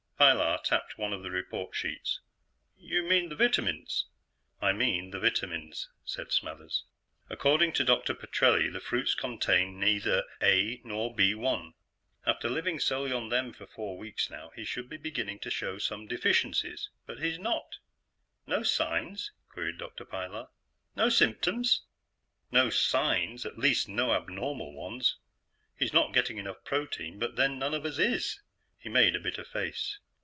Pilar tapped one of the report sheets. "You mean the vitamins?" "I mean the vitamins," said Smathers. "According to Dr. Petrelli, the fruits contain neither A nor B_1. After living solely on them for four weeks now, he should be beginning to show some deficiencies but he's not. "No signs?" queried Dr. Pilar. "No symptoms?" "No signs at least no abnormal ones. He's not getting enough protein, but, then, none of us is." He made a bitter face.